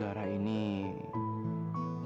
bakal di atip